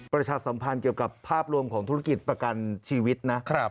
ประชาสัมพันธ์เกี่ยวกับภาพรวมของธุรกิจประกันชีวิตนะ